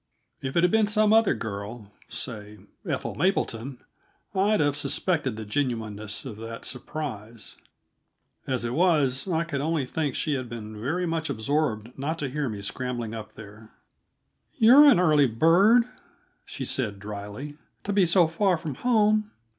If it had been some other girl say Ethel Mapleton I'd have suspected the genuineness of that surprise; as it was, I could only think she had been very much absorbed not to hear me scrambling up there. "You're an early bird," she said dryly, "to be so far from home."